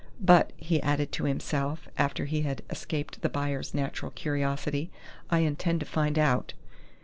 "But," he added to himself, after he had escaped the buyer's natural curiosity, "I intend to find out!"